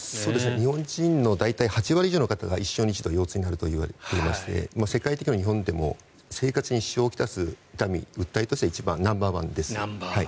日本人の８割の方が腰痛になるといわれていて世界的にも日本でも生活に支障を来す訴えとしてナンバーワンです。